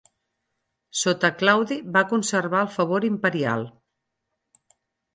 Sota Claudi va conservar el favor imperial.